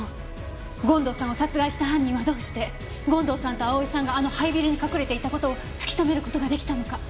権藤さんを殺害した犯人はどうして権藤さんと蒼さんがあの廃ビルに隠れていた事を突き止める事が出来たのか。